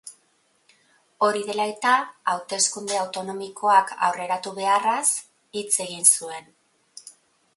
Hori dela eta, hauteskunde autonomikoak aurreratu beharraz hitz egin zuen.